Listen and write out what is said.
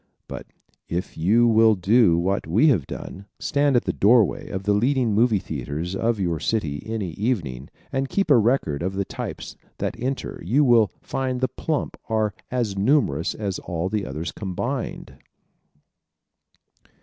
But if you will do what we have done stand at the doorway of the leading movie theaters of your city any evening and keep a record of the types that enter you will find the plump are as numerous as all the others combined.